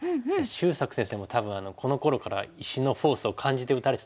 秀策先生も多分このころから石のフォースを感じて打たれてたんじゃないですかね。